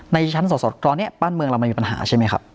ในชั้นส่อตอนนี้บ้านเมืองเรามันมีปัญหาใช่ไหมครับ